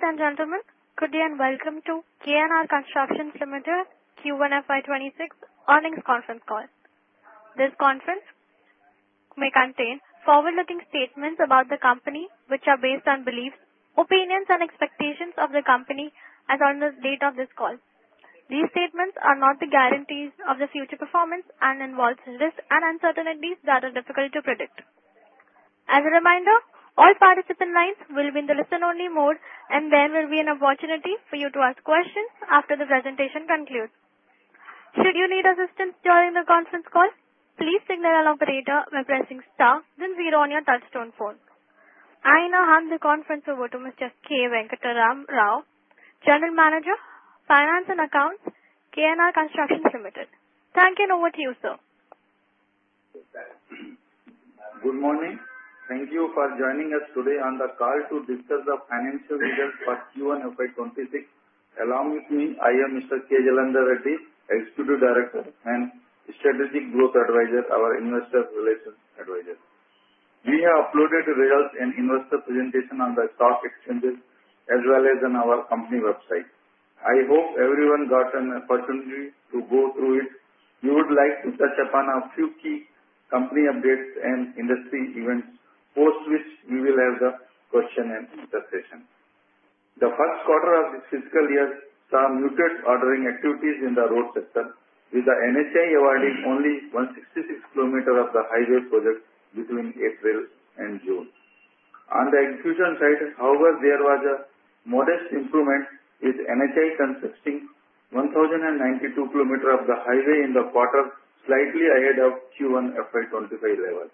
Ladies and gentlemen, good day and welcome to KNR Constructions Limited Q1 FY 2026 earnings conference call. This conference may contain forward-looking statements about the company, which are based on beliefs, opinions, and expectations of the company as of the date of this call. These statements are not the guarantees of the future performance and involve risks and uncertainties that are difficult to predict. As a reminder, all participant lines will be in the listen-only mode, and there will be an opportunity for you to ask questions after the presentation concludes. Should you need assistance during the conference call, please signal an operator by pressing star, then zero on your touch-tone phone. I now hand the conference over to Mr. K. Venkatram Rao, General Manager, Finance and Accounts, KNR Constructions Limited. Thank you, and over to you, sir. Good morning. Thank you for joining us today on the call to discuss the financial results for Q1 FY 2026. Along with me, I am Mr. K. Jalandhar Reddy, Executive Director and Strategic Growth Advisors, our Investor Relations Advisor. We have uploaded the results and investor presentation on the stock exchanges as well as on our company website. I hope everyone got an opportunity to go through it. We would like to touch upon a few key company updates and industry events, post which we will have the question and answer session. The first quarter of this fiscal year saw muted ordering activities in the road sector, with the NHAI awarding only 166 km of the highway project between April and June. On the execution side, however, there was a modest improvement, with NHAI constructing 1,092 km of the highway in the quarter slightly ahead of Q1 FY 2025 level.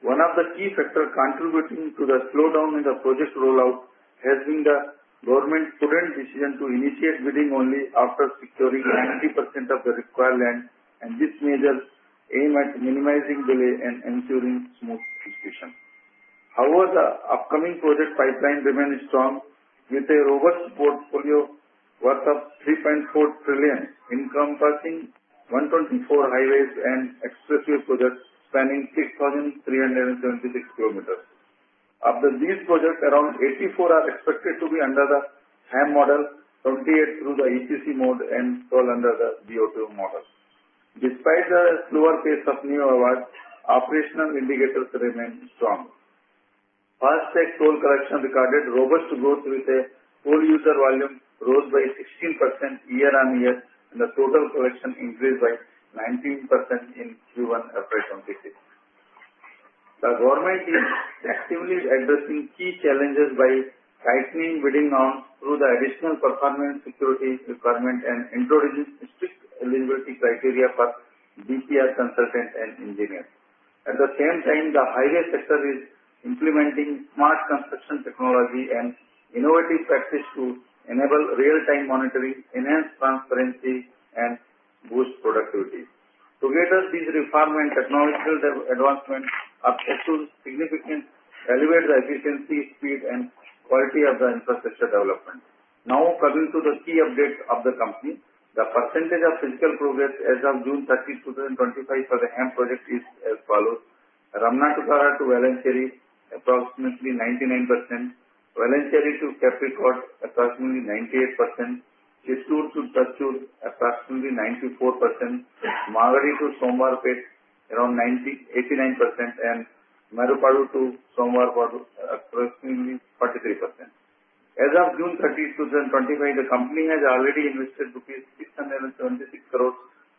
One of the key factors contributing to the slowdown in the project rollout has been the government's prudent decision to initiate bidding only after securing 90% of the required land, and this measures aim at minimizing delay and ensuring smooth execution. However, the upcoming project pipeline remains strong, with a robust portfolio worth of 3.4 trillion, encompassing 124 highways and expressway projects spanning 6,376 kilometers. Of these projects, around 84 are expected to be under the HAM model, 28 through the EPC mode, and 12 under the BOT model. Despite the slower pace of new awards, operational indicators remain strong. FASTag toll collection recorded robust growth, with the toll user volume rose by 16% year-on-year, and the total collection increased by 19% in Q1 FY 2026. The government is actively addressing key challenges by tightening bidding norms through the additional performance security requirement and introducing strict eligibility criteria for DPR consultants and engineers. At the same time, the highway sector is implementing smart construction technology and innovative practices to enable real-time monitoring, enhance transparency, and boost productivity. Together, these reforms and technological advancements are set to significantly elevate the efficiency, speed, and quality of the infrastructure development. Now, coming to the key updates of the company, the percentage of physical progress as of June 30, 2025, for the HAM project is as follows: Ramanattukara to Valanchery approximately 99%, Valanchery to Kappirikkad approximately 98%, Chittoor to Thatchur approximately 94%, Magadi to Somwarpet around 89%, and Oddanchatram to Madurai approximately 43%. As of June 30, 2025, the company has already invested rupees 676 crores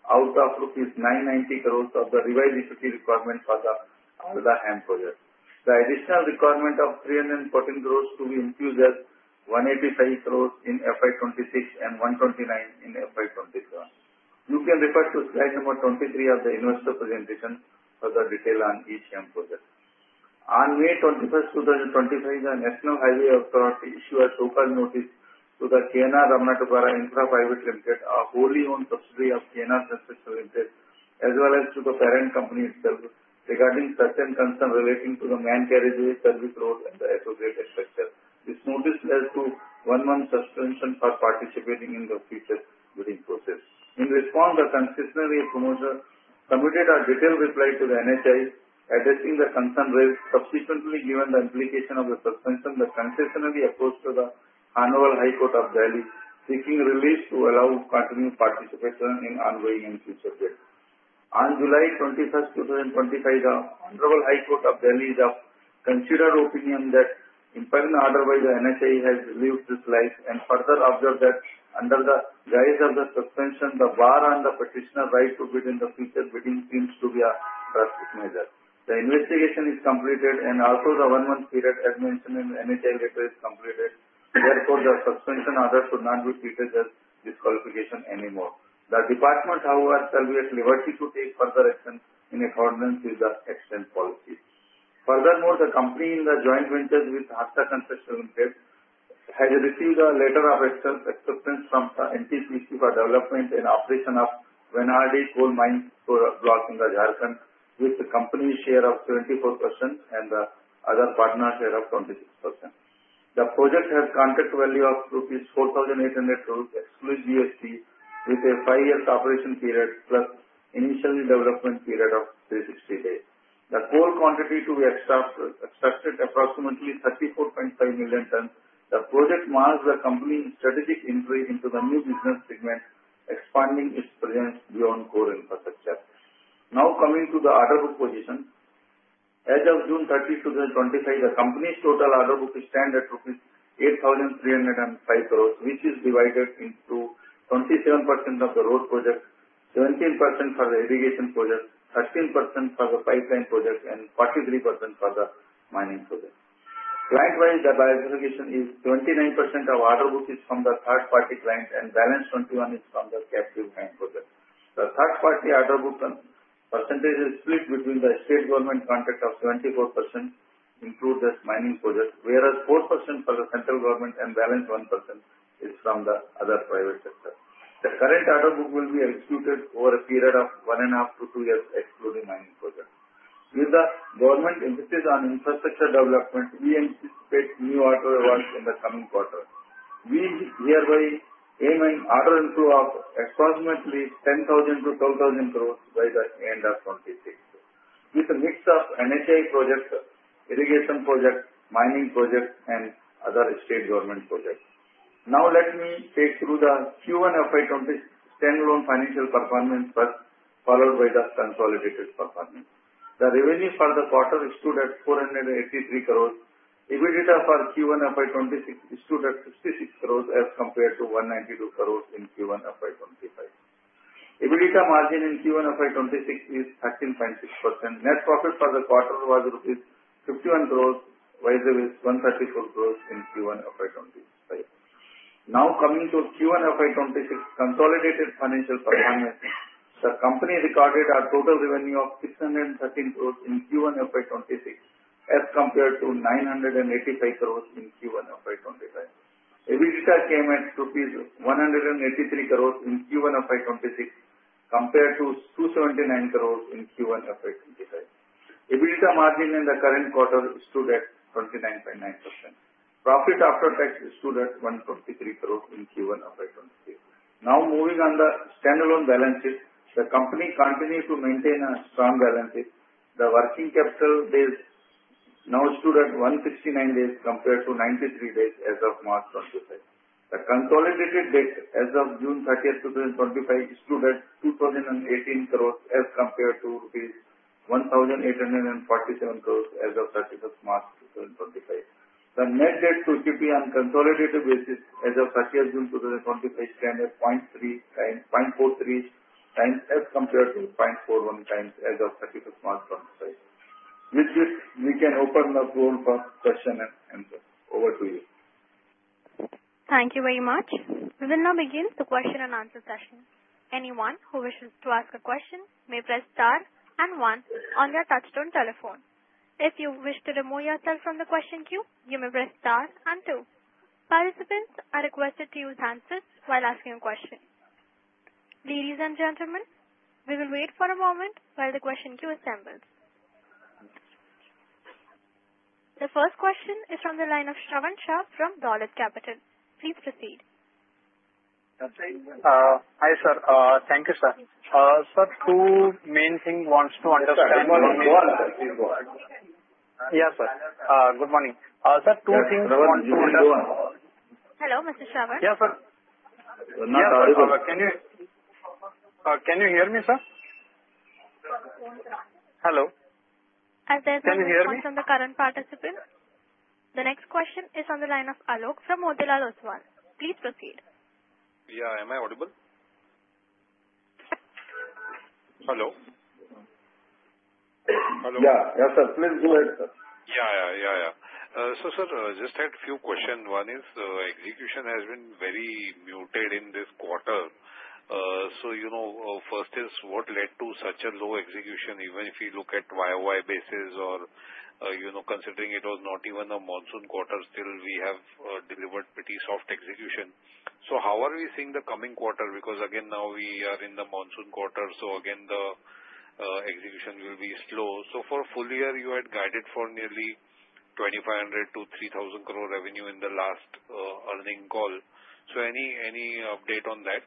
out of rupees 990 crores of the revised equity requirement for the HAM project. The additional requirement of 314 crores to be infused as 185 crores in FY 2026 and 129 in FY 2027. You can refer to slide number 23 of the investor presentation for the detail on each HAM project. On May 21, 2025, the National Highways Authority of India issued a show cause notice to the KNR Ramanattukara Infra Private Limited, a wholly-owned subsidiary of KNR Constructions Limited, as well as to the parent company itself regarding certain concerns relating to the main carriage service road and the associated structure. This notice led to one-month suspension for participating in the future bidding process. In response, the concessionaire promoter submitted a detailed reply to the NHAI, addressing the concern raised. Subsequently, given the implication of the suspension, the concessionaire approached the Hon'ble High Court of Delhi, seeking relief to allow continued participation in ongoing and future bids. On July 21, 2025, the Hon'ble High Court of Delhi is of considered opinion that the impound order by the NHAI has lived its life and further observed that under the guise of the suspension, the bar on the petitioner's right to bid in the future bidding seems to be a drastic measure. The investigation is completed, and also the one-month period as mentioned in the NHAI letter is completed. Therefore, the suspension order should not be treated as disqualification anymore. The department, however, shall be at liberty to take further action in accordance with the existing policies. Furthermore, the company in the joint venture with HES Infra Private Limited has received a letter of acceptance from the NTPC for development and operation of Vanaidih Coal Mine Block in the Jharkhand, with the company's share of 74% and the other partner's share of 26%. The project has a contract value of 4,800 crores rupees excluding GST, with a five-year operation period plus initial development period of 360 days. The coal quantity to be extracted is approximately 34.5 million tons. The project marks the company's strategic entry into the new business segment, expanding its presence beyond core infrastructure. Now, coming to the order book position, as of June 30, 2025, the company's total order book stands at INR 8,305 crores, which is divided into 27% of the road project, 17% for the irrigation project, 13% for the pipeline project, and 43% for the mining project. Client-wise, the classification is 29% of order book is from the third-party client, and balance 21% is from the captive HAM project. The third-party order book percentage is split between the state government contract of 74%, including the mining project, whereas 4% for the central government, and the balance 1% is from the other private sector. The current order book will be executed over a period of one and a half to two years, excluding mining projects. With the government emphasis on infrastructure development, we anticipate new order awards in the coming quarter. We hereby aim an order inflow of approximately 10,000-12,000 crores by the end of 2026, with a mix of NHAI projects, irrigation projects, mining projects, and other state government projects. Now, let me take through the Q1 FY 2026 standalone financial performance first, followed by the consolidated performance. The revenue for the quarter issued at 483 crores. EBITDA for Q1 FY 2026 issued at 66 crores as compared to 192 crores in Q1 FY 2025. EBITDA margin in Q1 FY 2026 is 13.6%. Net profit for the quarter was rupees 51 crores, while there was 134 crores in Q1 FY 2025. Now, coming to Q1 FY 2026 consolidated financial performance, the company recorded a total revenue of 613 crores in Q1 FY 2026 as compared to 985 crores in Q1 FY 2025. EBITDA came at rupees 183 crores in Q1 FY 2026 compared to 279 crores in Q1 FY 2025. EBITDA margin in the current quarter issued at 29.9%. Profit after tax issued at 123 crores in Q1 FY 2025. Now, moving on the standalone balances, the company continued to maintain a strong balance sheet. The working capital base now issued at 169 compared to 93 as of March 25. The consolidated debt as of June 30, 2025, issued at INR 2,018 crores as compared to INR 1,847 crores as of 31 March 2025. The net debt to EBITDA on consolidated basis as of 30 June 2025 stands at 0.3 times 0.43 times as compared to 0.41 times as of 31 March 2025. With this, we can open the floor for question and answer. Over to you. Thank you very much. We will now begin the question and answer session. Anyone who wishes to ask a question may press star and one on their touch-tone telephone. If you wish to remove yourself from the question queue, you may press star and two. Participants are requested to use handsets while asking a question. Ladies and gentlemen, we will wait for a moment while the question queue assembles. The first question is from the line of Shravan Shah from Dolat Capital. Please proceed. Hi, sir. Thank you, sir. Sir, two main things I want to understand. Yes, sir. Good morning. Sir, two things I want to understand. Hello, Mr. Shravan Shah. Yes, sir. Can you hear me, sir? Hello. Are there any questions from the current participants? The next question is from the line of Alok from Motilal Oswal. Please proceed. Yeah, am I audible? Hello. Hello. Yeah, yes, sir. Please go ahead, sir. Yeah, yeah, yeah, yeah. So, sir, just had a few questions. One is execution has been very muted in this quarter. So, you know, first is what led to such a low execution, even if you look at YoY basis or, you know, considering it was not even a monsoon quarter, still we have delivered pretty soft execution. So, how are we seeing the coming quarter? Because again, now we are in the monsoon quarter, so again, the execution will be slow. So, for full year, you had guided for nearly 2,500-3,000 crore revenue in the last earnings call. So, any update on that?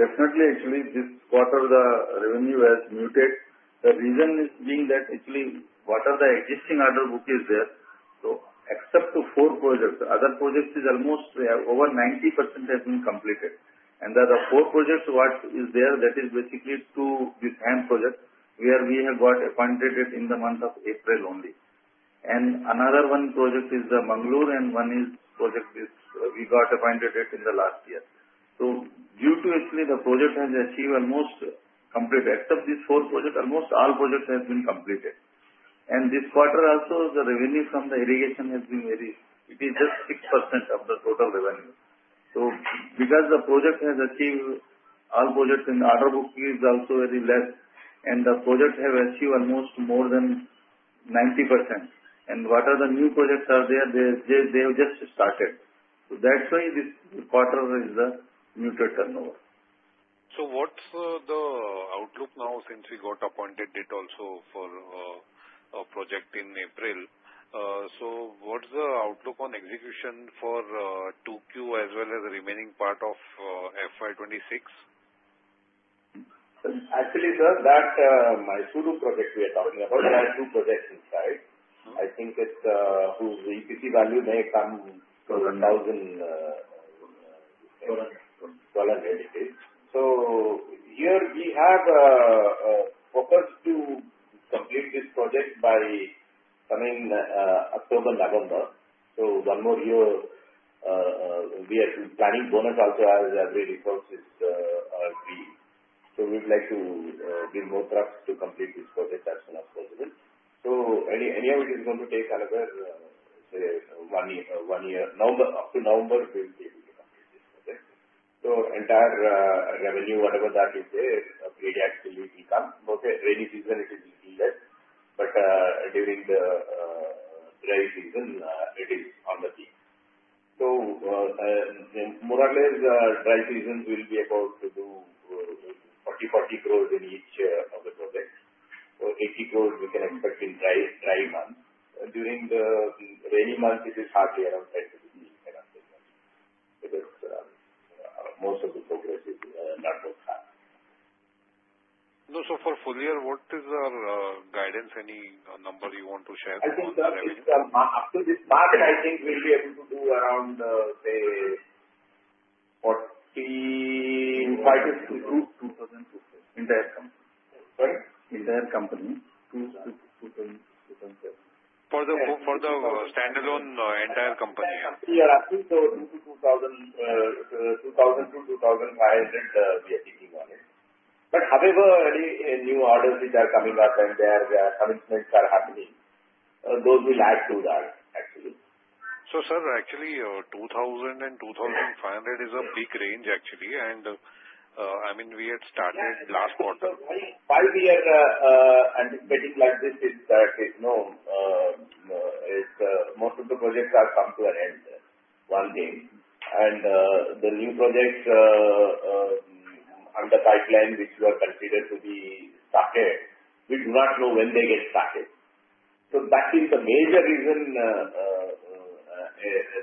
Definitely, actually, this quarter, the revenue has muted. The reason is being that actually what are the existing order book is there. So, except for four projects, other projects is almost over 90% has been completed, and the four projects what is there, that is basically two HAM projects where we have got appointed it in the month of April only. And another one project is the Mangalore, and one project we got appointed it in the last year. So, due to actually the project has achieved almost complete, except these four projects, almost all projects have been completed. And this quarter also, the revenue from the irrigation has been very, it is just 6% of the total revenue. So, because the project has achieved all projects in the order book is also very less, and the project has achieved almost more than 90%. What new projects are there? They have just started. So, that's why this quarter is the muted turnover. So, what's the outlook now since we got appointed it also for a project in April? So, what's the outlook on execution for 2Q as well as the remaining part of FY 2026? Actually, sir, that Mysuru project we are talking about, there are two projects inside. I think it's whose EPC value may come to 1,000. INR 1,200. 1,200 it is. So, here we have a focus to complete this project by coming October-November. So, one more year, we are planning bonus also as every resources are agreed. So, we would like to build more trucks to complete this project as soon as possible. So, anyway, it is going to take another one year. Up to November, we'll be able to complete this project. So, entire revenue, whatever that is there, periodically will come. Okay, rainy season it is a little less, but during the dry season, it is on the team. So, more or less, dry season will be about to do 40 crores in each of the projects. So, 80 crores we can expect in dry months. During the rainy month, it is hardly around 10 crores because most of the progress is not that fast. So, for full year, what is our guidance? Any number you want to share? I think after this market, I think we'll be able to do around, say, 40 crores-2,000 crores entire company. Sorry? Entire company. For the standalone entire company. We are asking for INR 2,000-INR 2,500, we are thinking on it. But however, any new orders which are coming up and there are commitments are happening, those will add to that, actually. So, sir, actually, 2,000 and 2,500 is a big range, actually. And I mean, we had started last quarter. Five-year anticipating like this is that most of the projects have come to an end one day. And the new projects under pipeline which were considered to be started, we do not know when they get started. So, that is the major reason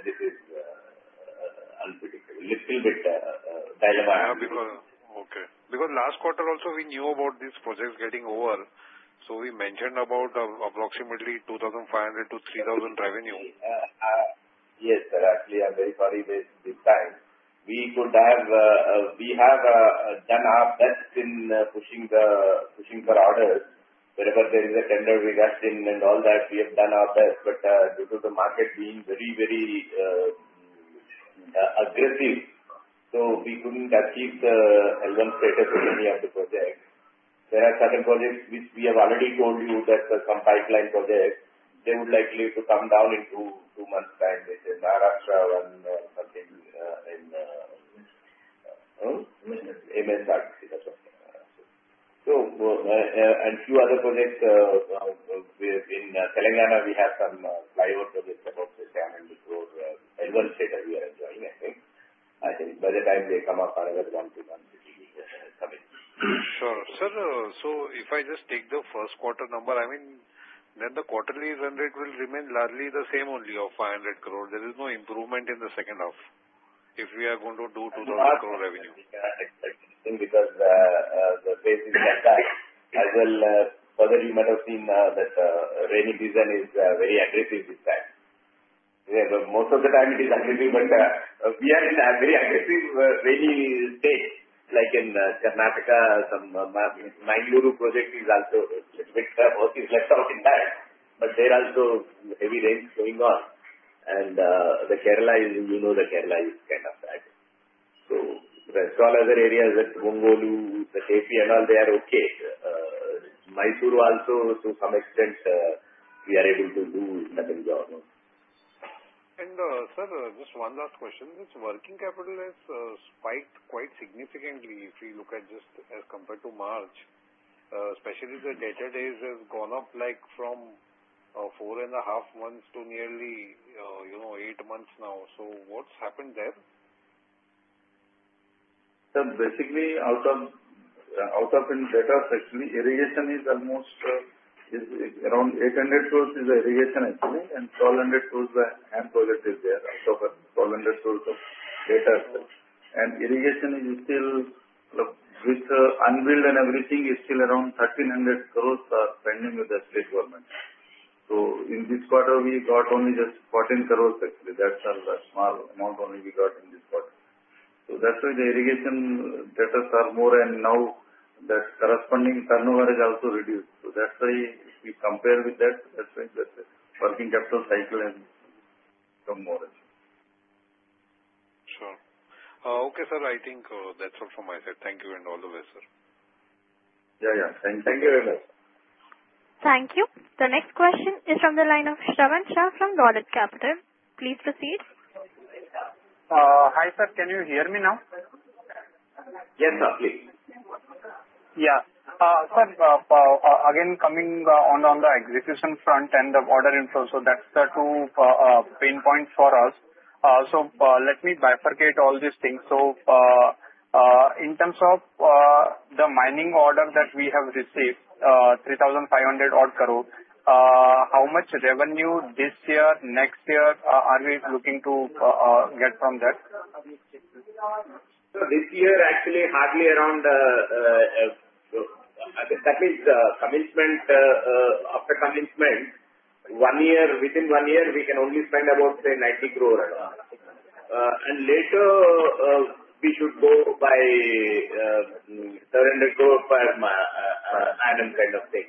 this is unpredictable, a little bit dilemma. Okay. Because last quarter also, we knew about these projects getting over. So, we mentioned about approximately 2,500-3,000 revenue. Yes, sir. Actually, I'm very sorry this time. We could have done our best in pushing the orders. Wherever there is a tender, we got in and all that, we have done our best. But due to the market being very, very aggressive, so we couldn't achieve the L1 status of any of the projects. There are certain projects which we have already told you that some pipeline projects, they would likely come down in two months' time, which is Maharashtra one or something in MSRDC. So, and a few other projects in Telangana, we have some flyover projects about the INR 700 crore L1 status we are enjoying, I think. I think by the time they come up, another one to one will be coming. Sure. Sir, so if I just take the first quarter number, I mean, then the quarterly run rate will remain largely the same only of 500 crore. There is no improvement in the second half if we are going to do 2,000 crore revenue. I cannot expect anything because the rate is like that. As well, rather, you might have seen that rainy season is very aggressive this time. Most of the time, it is aggressive, but we are in a very aggressive rainy state, like in Karnataka. Some Mangalore project is also a little bit of work left out in that, but there are also heavy rains going on. And the Kerala, you know the Kerala is kind of bad. So, all other areas like Mangalore, the JV and all, they are okay. Mysuru also, to some extent, we are able to do. Nothing wrong. Sir, just one last question. This working capital has spiked quite significantly if you look at just as compared to March, especially the debtor days have gone up like from four and a half months to nearly eight months now. What's happened there? Basically, out of the infra section, irrigation is almost around 800 crores. That's the irrigation actually, and 1,200 crores the HAM project is there, out of 1,200 crores of the infra section. And irrigation is still with unbilled and everything is still around 1,300 crores are pending with the state government. So, in this quarter, we got only just 14 crores actually. That's all the small amount only we got in this quarter. So, that's why the irrigation days are more and now that corresponding turnover has also reduced. So, that's why if you compare with that, that's why the working capital cycle has come more actually. Sure. Okay, sir, I think that's all from my side. Thank you and all the best, sir. Yeah, yeah. Thank you very much. Thank you. The next question is from the line of Shravan Shah from Dolat Capital. Please proceed. Hi, sir. Can you hear me now? Yes, sir, please. Yeah. Sir, again, coming on the execution front and the order info, so that's the two pain points for us. So, let me bifurcate all these things. So, in terms of the mining order that we have received, 3,500 crore, how much revenue this year, next year, are we looking to get from that? So, this year, actually, hardly around that means commitment after commitment, within one year, we can only spend about, say, 90 crore. And later, we should go by 700 crore per annum kind of thing.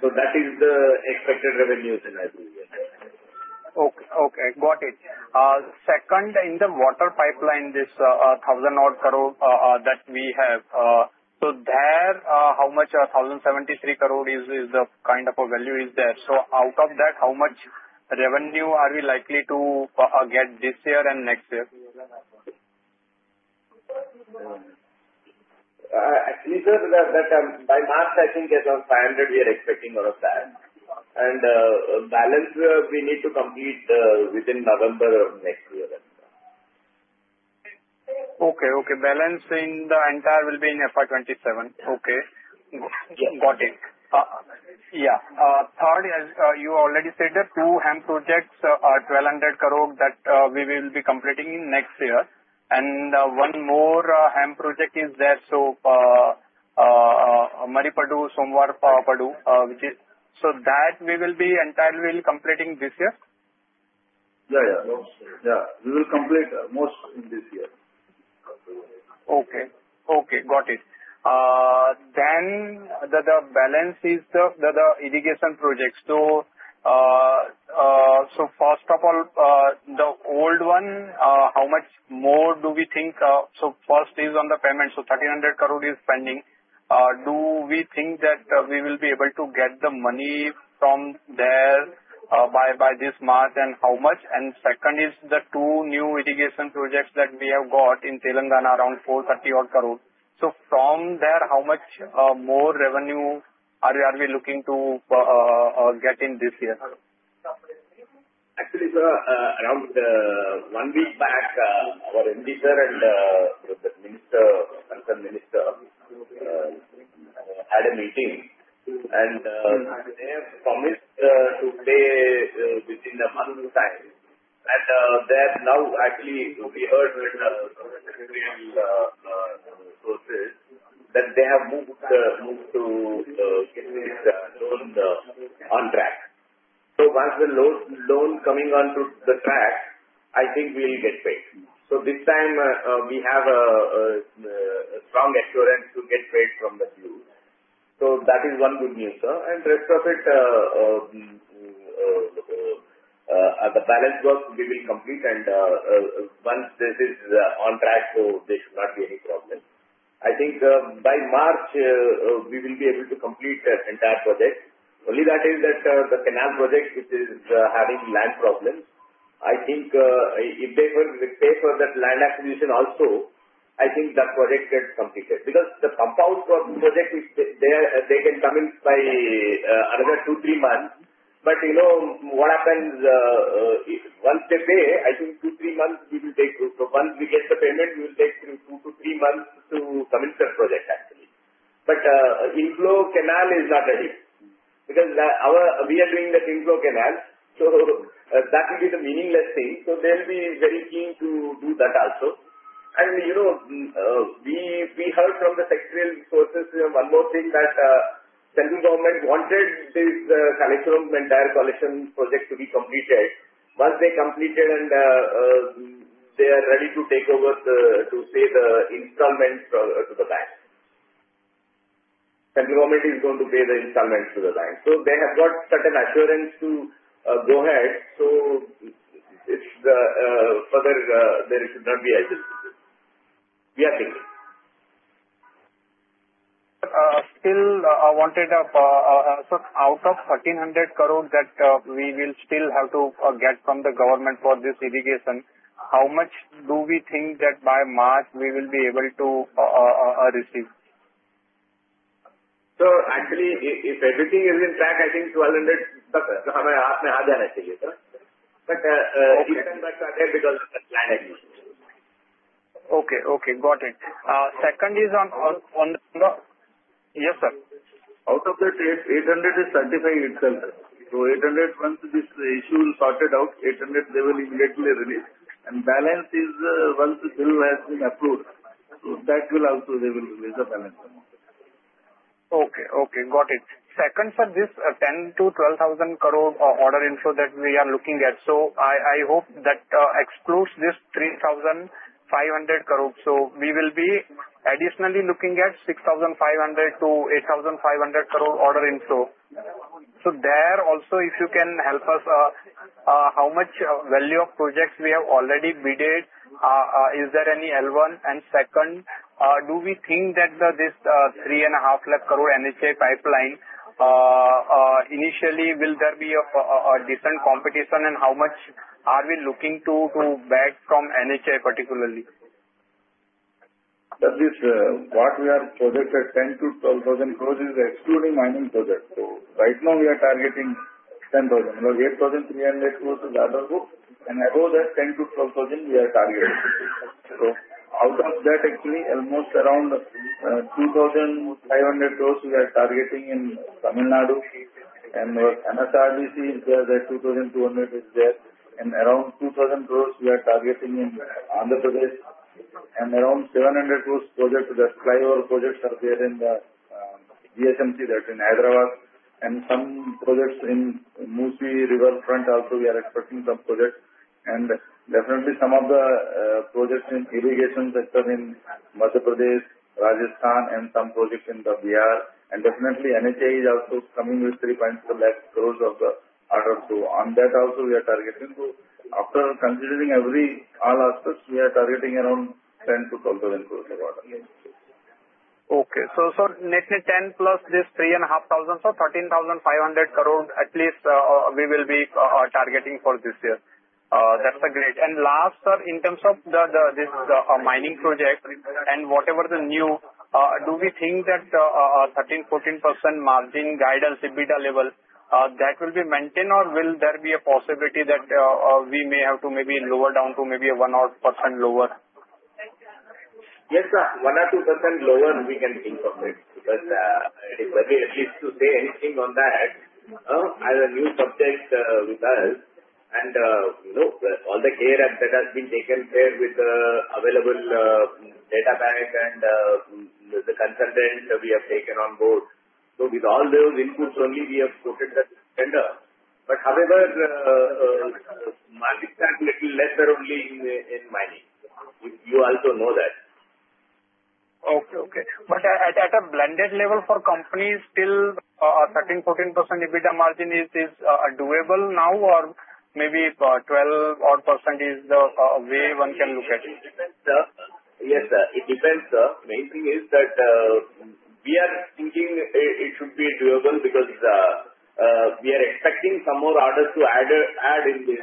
So, that is the expected revenues in that area. Okay. Got it. Second, in the water pipeline, this 1,000 crore that we have, so there, how much 1,073 crore is the kind of a value is there? So, out of that, how much revenue are we likely to get this year and next year? Actually, sir, that by March, I think it's around 500 we are expecting out of that. And balance, we need to complete within November of next year. Okay, okay. Balancing the entire will be in FY 2027. Okay. Got it. Yeah. Third, as you already said, two HAM projects are 1,200 crore that we will be completing in next year. And one more HAM project is there, so Magadi, Somwarpet, which is so that we will be entirely completing this year? We will complete most in this year. Okay. Okay. Got it. Then the balance is the irrigation projects. So, first of all, the old one, how much more do we think? So, first is on the payment. So, 1,300 crore is pending. Do we think that we will be able to get the money from there by this month and how much? And second is the two new irrigation projects that we have got in Telangana around 430 crore. So, from there, how much more revenue are we looking to get in this year? Actually, sir, around one week back, our MD sir and the minister, concerned minister, had a meeting. They have promised to pay within a month's time. Now, actually, we heard from the government and reliable sources that they have moved to get this loan on track. Once the loan coming onto the track, I think we'll get paid. This time, we have a strong assurance to get paid from the Q. That is one good news, sir. The rest of it, the balance work, we will complete. Once this is on track, there should not be any problem. I think by March, we will be able to complete the entire project. Only that is, the canal project, which is having land problems. I think if they pay for that land acquisition also, that project gets completed. Because the compound project, they can come in by another two, three months. But what happens once they pay, I think two, three months, we will take once we get the payment, we will take two to three months to commit the project, actually. But inflow canal is not ready because we are doing that inflow canal. So, that will be the meaningless thing. So, they'll be very keen to do that also. And we heard from the sectoral sources, one more thing that central government wanted this entire collection project to be completed. Once they completed and they are ready to take over to pay the installments to the bank, central government is going to pay the installments to the bank. So, they have got certain assurance to go ahead. So, further, there should not be any issues. We are thinking. Still, I wanted to ask, out of 1,300 crore that we will still have to get from the government for this irrigation, how much do we think that by March we will be able to receive? So, actually, if everything is on track, I think INR 1,200 crore has to come in. But we can not go ahead because of the pending agreement. Okay. Got it. Second is on the yes, sir. Out of the total, 800 is certified itself. So, 800, once this issue is sorted out, 800, they will immediately release. And balance is once the bill has been approved. So, that will also they will release the balance. Okay. Okay. Got it. Second, sir, this 10,000-12,000 crore order inflow that we are looking at, so I hope that excludes this 3,500 crore. So, we will be additionally looking at 6,500-8,500 crore order inflow. So, there also, if you can help us, how much value of projects we have already bid? Is there any L1? And second, do we think that this 3.5 lakh crore NHA pipeline, initially, will there be a decent competition? And how much are we looking to bag from NHA particularly? That is what we are projected. 10,000-12,000 crore is excluding mining projects. So, right now, we are targeting 10,000 crore. 8,300 crore is our goal. And above that, 10,000-12,000, we are targeting. So, out of that, actually, almost around 2,500 crore we are targeting in Tamil Nadu. And MSRDC is there, that 2,200 is there. And around 2,000 crore we are targeting in Andhra Pradesh. And around 700 crore projects that flyover projects are there in the GHMC that in Hyderabad. And some projects in Musi Riverfront also, we are expecting some projects. And definitely, some of the projects in irrigation sector in Madhya Pradesh, Rajasthan, and some projects in the Bihar. And definitely, NHAI is also coming with 3.2 lakh crore of the order. So, on that also, we are targeting. So, after considering all aspects, we are targeting around 10,000-12,000 crore of the order. Okay. So, sir, net net 10 plus this 3,500 crore, so 13,500 crore at least we will be targeting for this year. That's great. And last, sir, in terms of this mining project and whatever the new, do we think that 13%-14% margin guidance, EBITDA level, that will be maintained or will there be a possibility that we may have to maybe lower down to maybe a 1% or 2% lower? Yes, sir. 1% or 2% lower, we can think of it, but it's very early to say anything on that. As a new subject for us, and all the care that has been taken there with the available data bank and the consultant we have taken on board. So, with all those inputs only, we have quoted that tender. But however, margins are a little lesser only in mining. You also know that. Okay. Okay. But at a blended level for companies, still, a 13%-14% EBITDA margin is doable now or maybe 12% or 1% is the way one can look at it? Yes, sir. It depends, sir. Main thing is that we are thinking it should be doable because we are expecting some more orders to add in this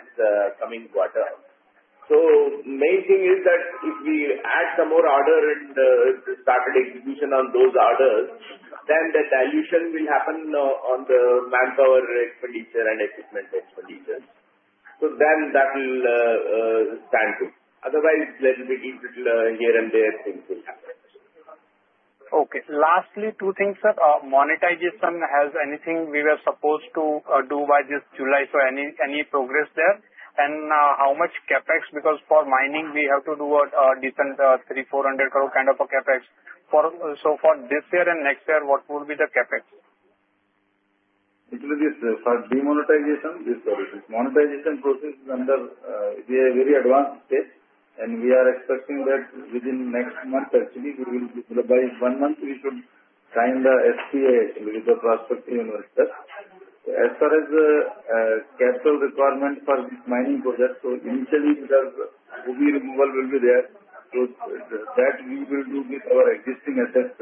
coming quarter. So, main thing is that if we add some more order and start execution on those orders, then the dilution will happen on the manpower expenditure and equipment expenditures. So, then that will stand too. Otherwise, little bit here and there things will happen. Okay. Lastly, two things, sir. Monetization has anything we were supposed to do by this July? So, any progress there? And how much CapEx? Because for mining, we have to do a decent 300-400 crore kind of a CapEx. So, for this year and next year, what will be the CapEx? It will be, sir, for monetization, this project. Monetization process is underway. We are in very advanced stage. We are expecting that within next month, actually, we will by one month, we should sign the SPA actually with the prospective investor. As far as capital requirement for this mining project, so initially, the OB removal will be there. So, that we will do with our existing assets.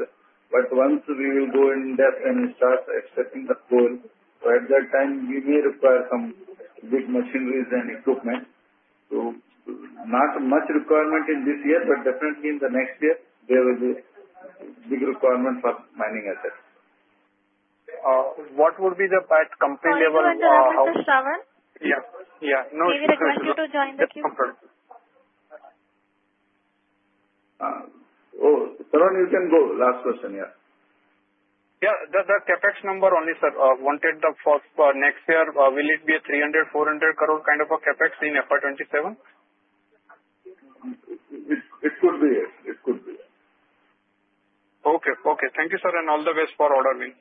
But once we will go in depth and start extracting the coal, so at that time, we may require some big machinery and equipment. So, not much requirement in this year, but definitely in the next year, there will be big requirement for mining assets. What will be the company level? So, Shravan. Yeah. Yeah. David, I want you to join the Q. Oh, Shravan, you can go. Last question. Yeah. Yeah. The CapEx number only, sir. Wanted the next year, will it be a 300-400 crore kind of a CapEx in FY 2027? It could be. It could be. Okay. Okay. Thank you, sir. And all the best for ordering.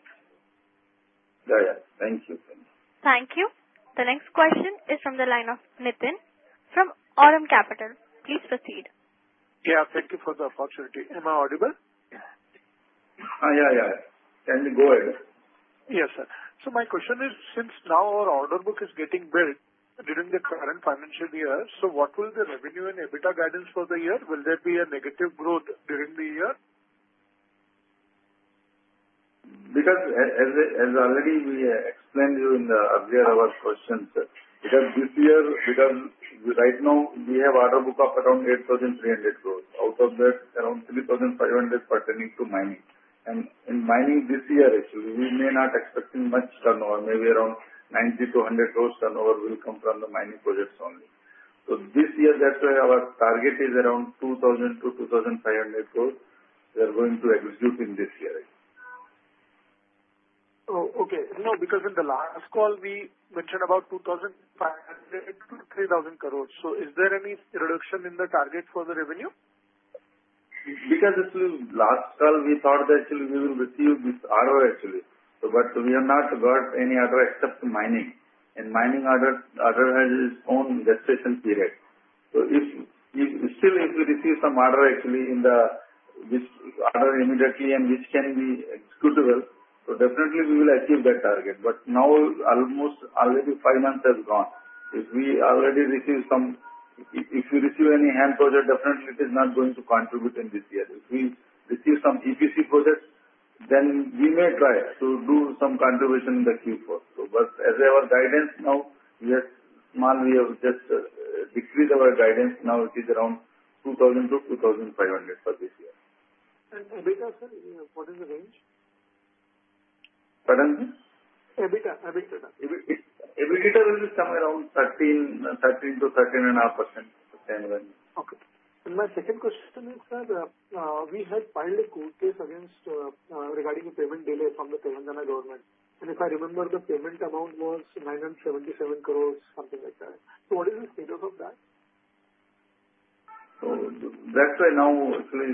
Yeah, yeah. Thank you. Thank you. The next question is from the line of Niteen from Aurum Capital. Please proceed. Yeah. Thank you for the opportunity. Am I audible? Yeah, yeah, yeah. Can you go ahead? Yes, sir. So, my question is, since now our order book is getting built during the current financial year, so what will the revenue and EBITDA guidance for the year? Will there be a negative growth during the year? Because, as already we explained to you in the earlier of our questions, this year, right now, we have order book of around 8,300 crore. Out of that, around 3,500 pertaining to mining. In mining this year, actually, we may not expect much turnover. Maybe around 90,000-100,000 turnover will come from the mining projects only. So, this year, that's why our target is around 2,000-2,500 crore we are going to execute in this year. Oh, okay. No, because in the last call, we mentioned about 2,500-3,000 crore. So, is there any reduction in the target for the revenue? Because, actually, last call, we thought that we will receive this order, actually. But we have not got any order except mining. And mining order has its own gestation period. So, still, if we receive some order, actually, which order immediately and which can be executable, so definitely, we will achieve that target. But now, almost already five months have gone. If we receive any HAM project, definitely, it is not going to contribute in this year. If we receive some EPC projects, then we may try to do some contribution in the Q4. But as our guidance now, we have decreased our guidance. Now, it is around 2,000-2,500 for this year. EBITDA, sir? What is the range? Pardon me? EBITDA. EBITDA. EBITDA will be somewhere around 13%-13.5%. Okay. And my second question is, sir, we had filed a court case against regarding a payment delay from the Telangana government. And if I remember, the payment amount was 977 crore, something like that. So, what is the status of that? That's why now, actually,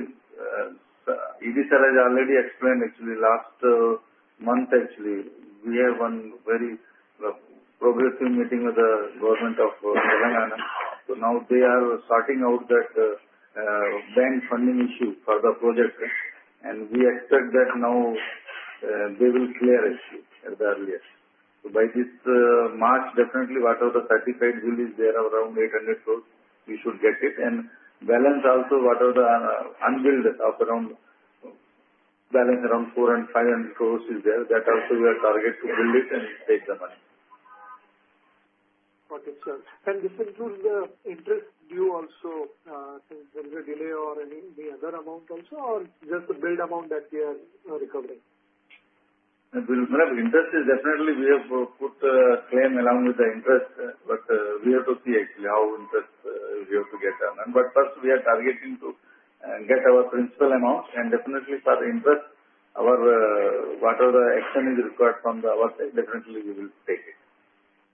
EBITDA has already explained. Actually, last month, actually, we have one very progressive meeting with the government of Telangana. Now, they are sorting out that bank funding issue for the project. We expect that now they will clear it earlier. By this March, definitely, whatever the certified bill is there, around 800 crore, we should get it. Balance also, whatever the unbilled of around balance around 400-500 crore is there, that also we are target to bill it and take the money. Got it, sir. And this includes the interest due also. So, there is a delay or any other amount also, or just the billed amount that we are recovering? Interest is definitely we have put the claim along with the interest. But we have to see, actually, how interest we have to get done. But first, we are targeting to get our principal amount. And definitely, for the interest, whatever the action is required from our side, definitely, we will take it.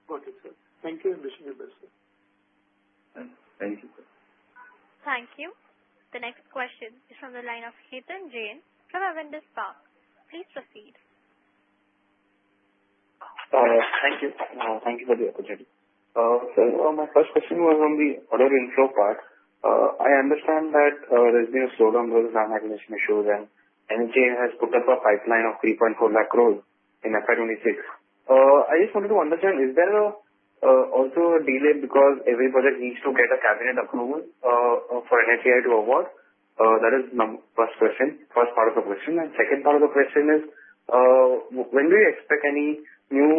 Got it, sir. Thank you. And wishing you the best, sir. Thank you, sir. Thank you. The next question is from the line of Ketan Jain from Avendus Spark. Please proceed. Thank you. Thank you for the opportunity. Sir, my first question was on the order inflow part. I understand that there has been a slowdown because of the land acquisition issues, and NHAI has put up a pipeline of 3.4 lakh crore in FY 2026. I just wanted to understand, is there also a delay because every project needs to get a cabinet approval for NHAI to award? That is my first question, first part of the question, and second part of the question is, when do you expect any new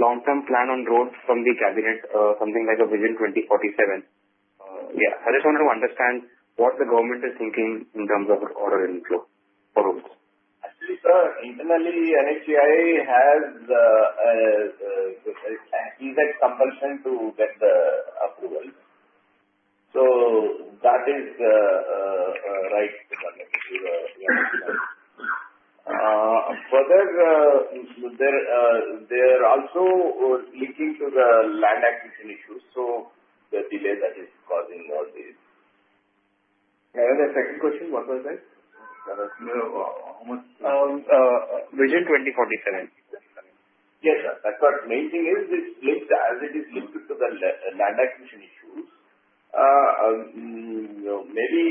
long-term plan on roads from the cabinet, something like a Vision 2047? Yeah. I just wanted to understand what the government is thinking in terms of order inflow for roads. Actually, sir, internally, NHAI has a direct compulsion to get the approval. So, that is right. Further, they are also linking to the land acquisition issues. So, the delay that is causing all these. And then the second question, what was that? Vision 2047. Yes, sir. I thought main thing is this linked as it is linked to the land acquisition issues. Maybe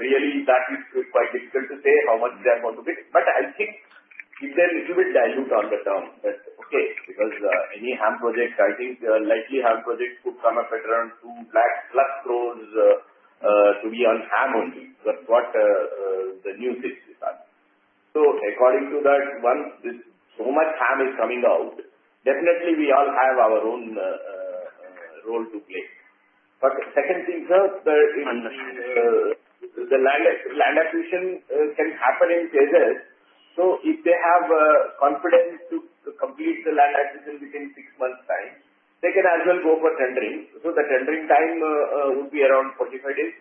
really, that is quite difficult to say how much they are going to get. But I think if they're a little bit dilute on the term, that's okay. Because any HAM project, I think likely HAM project could come up at around 2 lakh crores to be on HAM only. That's what the news is this time. So, according to that, once so much HAM is coming out, definitely, we all have our own role to play. But second thing, sir, the land acquisition can happen in phases. So, if they have confidence to complete the land acquisition within six months' time, they can as well go for tendering. So, the tendering time would be around 45 days.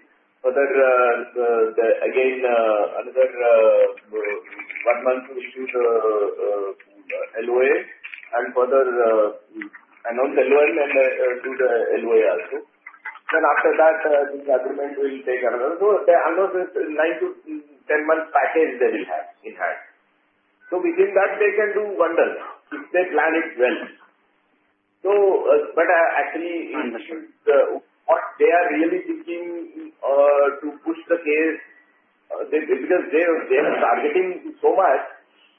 Further, again, another one month to issue the LOA and further announce LOA and do the LOA also. Then, after that, this agreement will take another. So, the announcement is a 9-10-month package they will have in hand. So, within that, they can do wonders if they plan it well. So, but actually, what they are really thinking to push the case because they are targeting so much.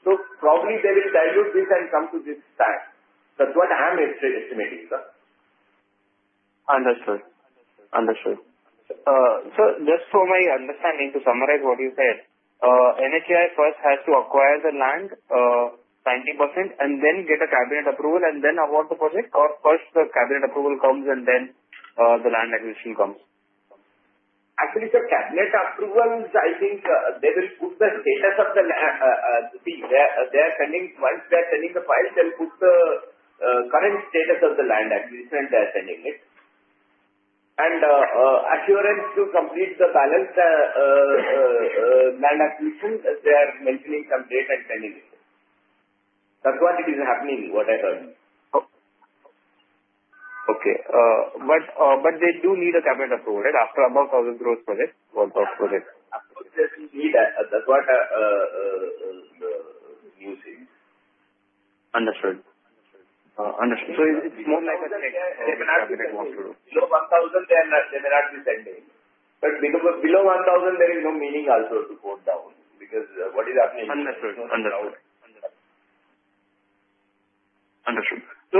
So, probably, they will dilute this and come to this time. That's what HAM is estimating, sir. Understood. Understood. Sir, just for my understanding, to summarize what you said, NHAI first has to acquire the land 90% and then get a cabinet approval and then award the project, or first the cabinet approval comes and then the land acquisition comes? Actually, sir, cabinet approvals, I think they will put the status of the EC, once they are sending the files, they'll put the current status of the land acquisition they are sending it and assurance to complete the balance land acquisition, they are maintaining some date and sending it. That's what it is happening, what I heard. Okay, but they do need a cabinet approval, right, after about 1,000 crore project? Absolutely. Absolutely. That's what the news is. Understood. Understood. So, it's more like a check. They may not be sending. But below INR 1,000, there is no meaning also to go down because what is happening is now. Understood. So,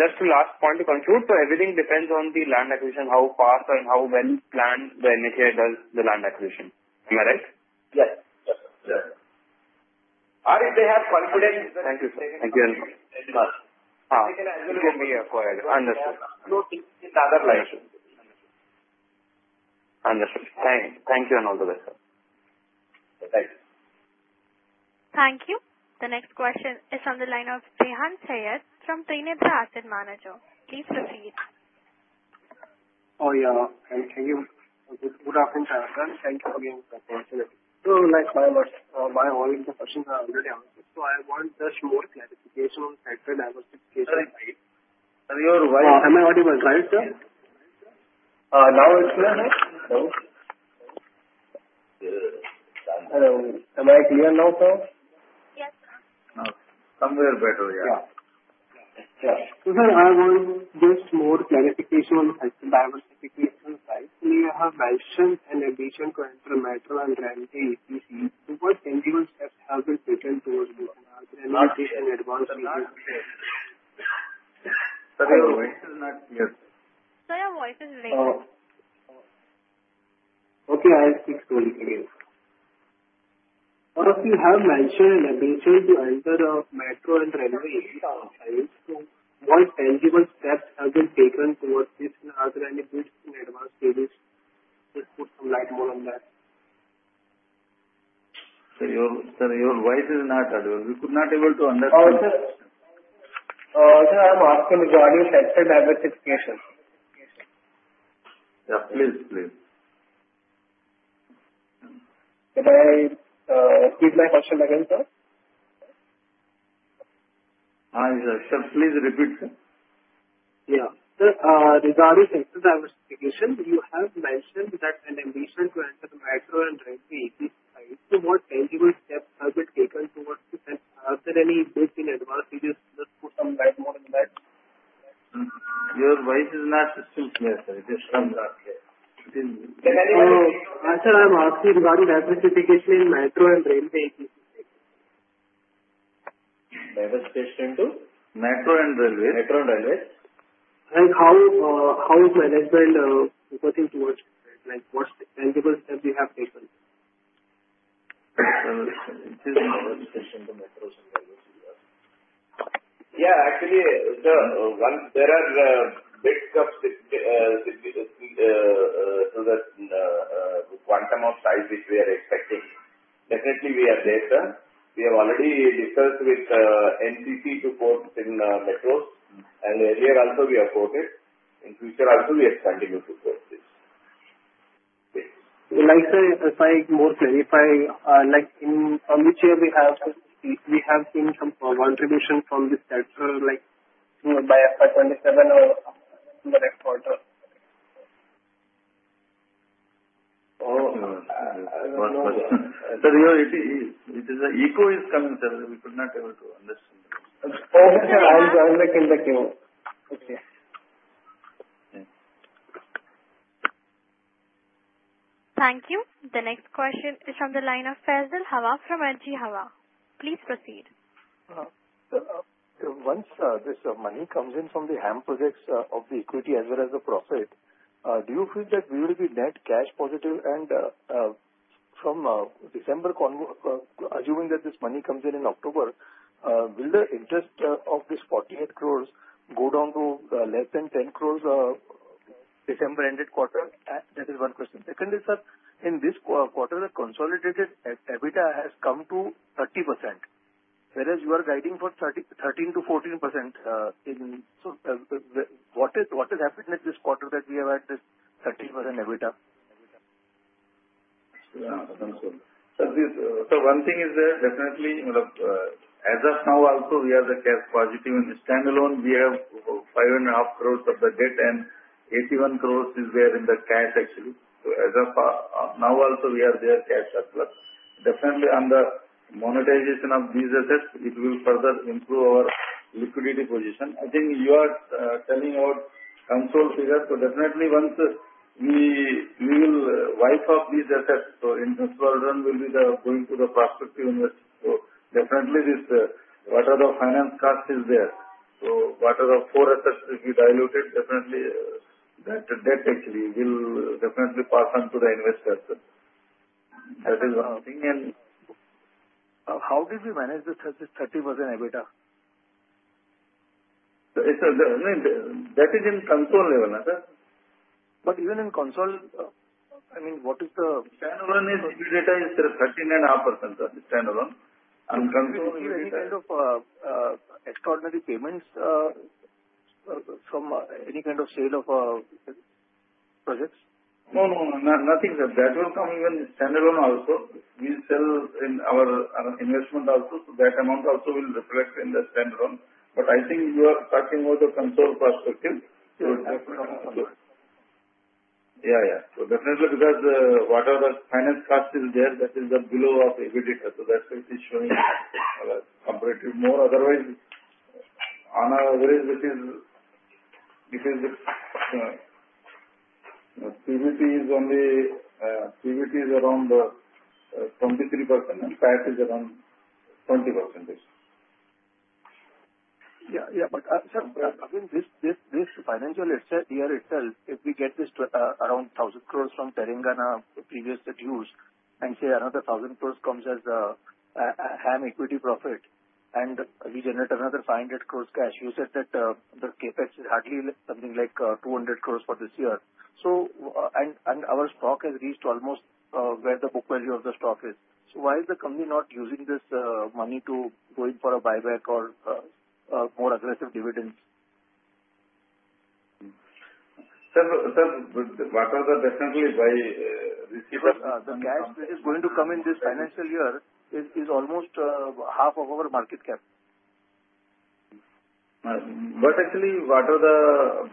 just the last point to conclude. So, everything depends on the land acquisition, how fast and how well planned the NHAI does the land acquisition. Am I right? Yes. Yes. Yes. If they have confidence. Thank you. Thank you very much. They can as well go. Give me a call. Understood. No thinking in other lines. Understood. Thank you. And all the best, sir. Thank you. Thank you. The next question is from the line of Rehan Syed from. [inaudible] Please proceed. Oh, yeah. Thank you. Good afternoon, sir. Thank you for being so patient. So, my questions are already answered. So, I want just more clarification on the sector diversification side. Sir, your voice? Am I audible? Right, sir? Now it's clear, sir? Hello. Hello. Am I clear now, sir? Yes, sir. Somewhere better, yeah. Sir, I want just more clarification on the diversification side. You have mentioned an intention to enter metro and railway EPC. What steps have been taken towards the railway and advancement? Sir, your voice is ringing. Okay. I'll speak slowly again. Sir, you have mentioned a decision to enter metro and greenfield EPC. So, what tangible steps have been taken towards this and other avenues in advance? Please just throw some more light on that. Sir, your voice is not audible. We could not be able to understand. Sir, I'm asking regarding sector diversification. Yeah. Please, please. Can I repeat my question again, sir? Hi, sir. Sir, please repeat, sir. Yeah. Sir, regarding sector diversification, you have mentioned that in addition to entering metro and railway EPC. So, what tangible steps have been taken towards this? Are there any enabling advances? Please shed some more light on that. Your voice is not clear, sir. It is not clear. Sir, I'm asking regarding diversification in metro and grantee EPC. Diversification into metro and railways? Metro and railways. Like, how is management working towards it? What tangible steps you have taken? Diversification to metro and railways. Yeah. Actually, sir, there are big quantum of size which we are expecting. Definitely, we are there, sir. We have already discussed with NCC to quote in metros. And earlier also, we have quoted. In future also, we are expanding to quote this. Like, sir, if I may clarify, which year we have seen some contribution from the sector by FY 2027 or the next quarter? Oh, one question. Sir, there is an echo coming, sir. We could not be able to understand. Okay. I'll make it the echo one. Okay. Thank you. The next question is from the line of Faisal Hawa from HG Hawa. Please proceed. Sir, once this money comes in from the HAM projects of the equity as well as the profit, do you feel that we will be net cash positive? And from December, assuming that this money comes in in October, will the interest of this 48 crores go down to less than 10 crores? December ended quarter. That is one question. Secondly, sir, in this quarter, the consolidated EBITDA has come to 30%, whereas you are guiding for 13%-14%. So, what has happened in this quarter that we have had this 13% EBITDA? Sir, one thing is that definitely, as of now also, we are cash positive. In standalone, we have 5.5 crores of the debt and 81 crores is there in the cash, actually. So, as of now also, we are net cash. But definitely, on the monetization of these assets, it will further improve our liquidity position. I think you are telling about consolidated figures. So, definitely, once we will monetize these assets, so interest will be going to the prospective investors. So, definitely, what are the finance costs is there? So, what are the four assets if we diluted? Definitely, that debt actually will definitely pass on to the investors. That is one thing. And. How did you manage this 30% EBITDA? Sir, that is in console level, sir. But even in console, I mean, what is the? Standalone EBITDA is 13.5%, sir, standalone. Is there any kind of extraordinary payments from any kind of sale of projects? No, no, nothing. That will come even standalone also. We sell in our investment also. So, that amount also will reflect in the standalone. But I think you are talking about the consolidated perspective. So, definitely. Yeah, yeah. So, definitely, because whatever the finance cost is there, that is below EBITDA. So, that's why it is showing comparatively more. Otherwise, on average, it is PBT only around 23% and PAT around 20%. Yeah. Yeah. But, sir, again, this financial year itself, if we get this around 1,000 crores from Telangana previously used and say another 1,000 crores comes as HAM equity profit and we generate another 500 crores cash, you said that the CapEx is hardly something like 200 crores for this year. So, and our stock has reached almost where the book value of the stock is. So, why is the company not using this money to go in for a buyback or more aggressive dividends? Sir, whatever definitely by receipt of. The cash which is going to come in this financial year is almost half of our market cap. But actually, whatever the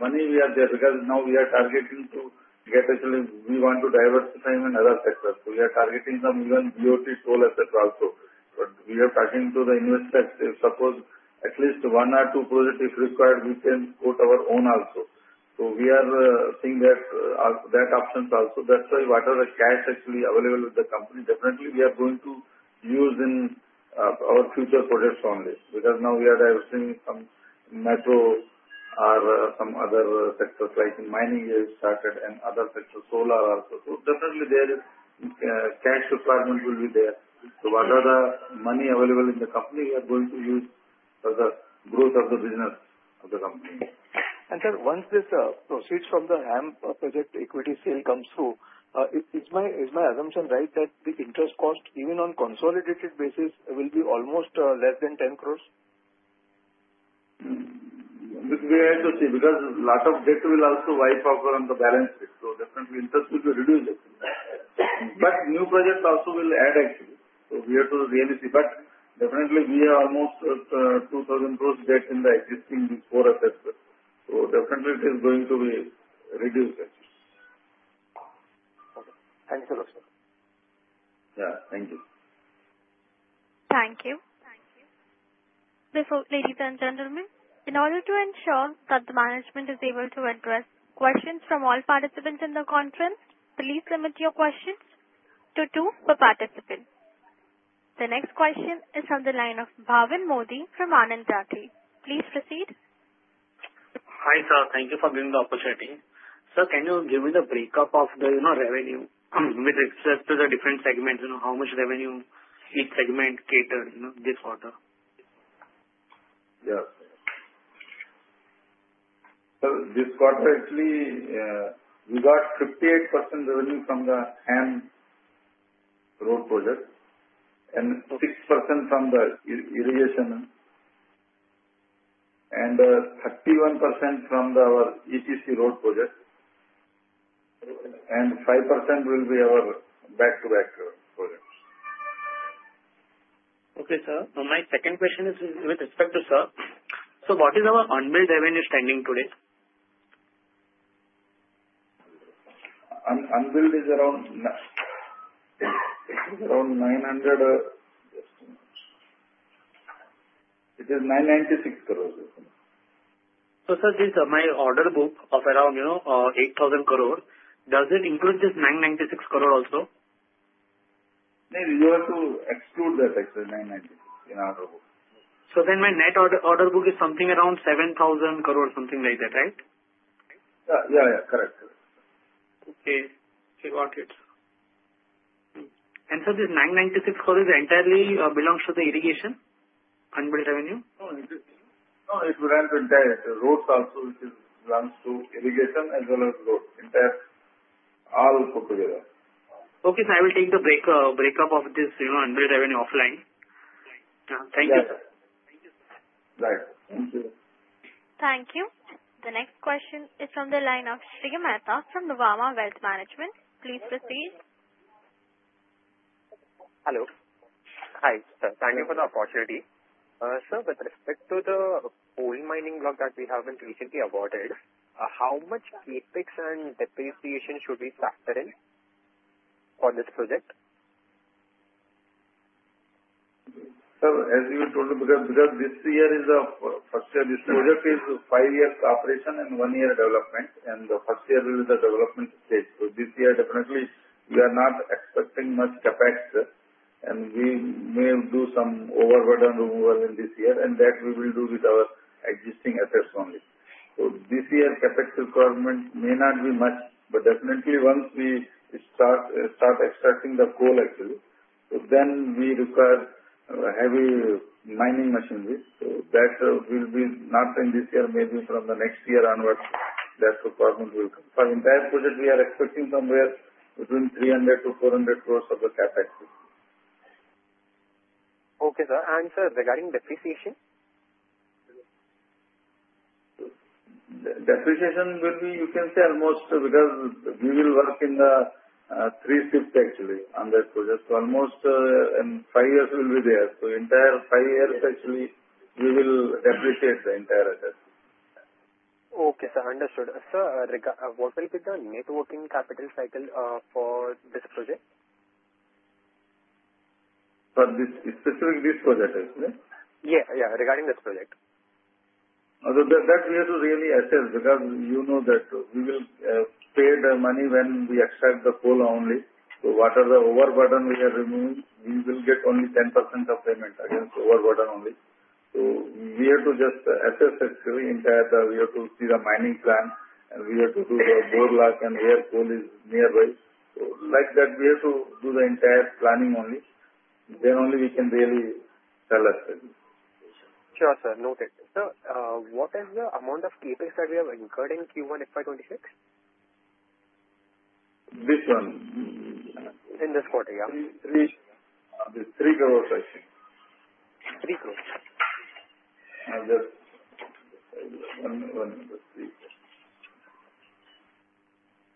money we are there because now we are targeting to get actually we want to diversify in another sector. So, we are targeting some even BOT, toll assets also. But we are talking to the investors, if suppose at least one or two projects if required, we can quote our own also. So, we are seeing that options also. That's why whatever cash actually available with the company, definitely we are going to use in our future projects only because now we are diversifying some metro or some other sectors like in mining has started and other sectors, solar also. So, definitely there is cash requirement will be there. So, whatever money available in the company, we are going to use for the growth of the business of the company. And, sir, once this proceeds from the HAM project equity sale comes through, is my assumption right that the interest cost even on consolidated basis will be almost less than 10 crores? We have to see because a lot of debt will also wipe off on the balance sheet. So, definitely, interest will be reduced. But new projects also will add, actually. So, we have to really see. But definitely, we are almost 2,000 crores debt in the existing four assets. So, definitely, it is going to be reduced, actually. Okay. Thank you so much, sir. Yeah. Thank you. Thank you. Before, ladies and gentlemen, in order to ensure that the management is able to address questions from all participants in the conference, please limit your questions to two per participant. The next question is from the line of Bhavin Modi from Anand Rathi. Please proceed. Hi, sir. Thank you for giving the opportunity. Sir, can you give me the breakdown of the revenue with respect to the different segments, how much revenue each segment contributed this quarter? Yes, sir, this quarter, actually, we got 58% revenue from the HAM road project and 6% from the irrigation and 31% from our EPC road project and 5% will be our back-to-back projects. Okay, sir. My second question is with respect to, sir, so what is our unbilled revenue standing today? Unbilled is around 900. It is 996 crores. So, sir, my order book of around 8,000 crore, does it include this 996 crore also? You have to exclude that, actually, 996 in order book. So, then my net order book is something around 7,000 crore, something like that, right? Yeah. Yeah. Yeah. Correct. Okay. Okay. Got it. And, sir, this 996 crores entirely belongs to the irrigation unbilled revenue? No. No. It will have the entire roads also, which belongs to irrigation as well as roads, entire all put together. Okay. So, I will take the breakup of this unbilled revenue offline. Thank you. Yeah. Thank you, sir. Right. Thank you. Thank you. The next question is from the line of Monish Verma from the Vardhan Wealth Management. Please proceed. Hello. Hi, sir. Thank you for the opportunity. Sir, with respect to the coal mining block that we have been recently awarded, how much CapEx and depreciation should we factor in for this project? Sir, as you told me, because this year is the first year, this project is five years operation and one year development. The first year will be the development stage. This year, definitely, we are not expecting much CapEx. We may do some overburden removal in this year. That we will do with our existing assets only. This year, CapEx requirement may not be much. But definitely, once we start extracting the coal, actually, then we require heavy mining machinery. That will be not in this year, maybe from the next year onwards, that requirement will come. For the entire project, we are expecting somewhere between 300-400 crores of CapEx. Okay, sir, and, sir, regarding depreciation? Depreciation will be, you can say, almost because we will work in the three-fifths, actually, on that project. So, almost five years will be there. So, entire five years, actually, we will depreciate the entire asset. Okay, sir. Understood. Sir, what will be the working capital cycle for this project? For this specific project, actually? Yeah. Yeah. Regarding this project. So, that we have to really assess because, you know, that we will pay the money when we extract the coal only. So, whatever overburden we are removing, we will get only 10% of payment against overburden only. So, we have to just assess, actually, entirely we have to see the mining plan and we have to do the bore log and where coal is nearby. So, like that, we have to do the entire planning only. Then only we can really tell us. Sure, sir. Noted. Sir, what is the amount of CapEx that we have incurred in Q1 FY 2026? This one? In this quarter, yeah. 3 crores, actually. Three crores?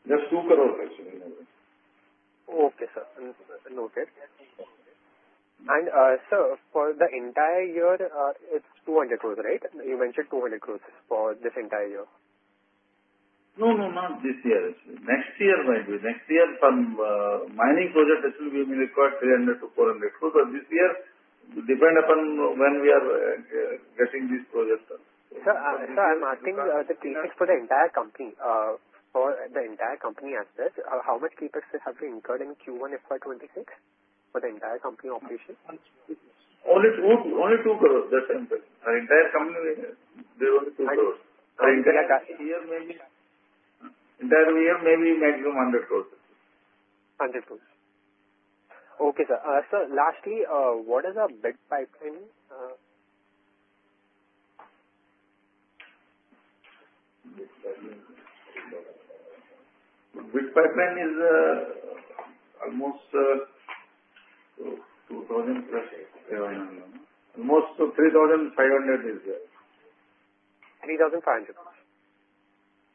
Just INR 2 crore, actually. Okay, sir. Noted. And, sir, for the entire year, it's 200 crores, right? You mentioned 200 crores for this entire year. No, no, not this year, actually. Next year might be. Next year, from mining project, it will be required 300-400 crores. But this year, depend upon when we are getting this project. Sir, I'm asking the CapEx for the entire company. For the entire company assets, how much CapEx have we incurred in Q1 FY 2026 for the entire company operation? Only two crores. That's the answer. Our entire company, there are only two crores. Okay. Sir, yeah. Entire year, maybe maximum 100 crores. 100 crores. Okay, sir. Sir, lastly, what is the bid pipeline? Bid pipeline is almost 2,000 crores. Almost 3,500 is there. 3,500 crores?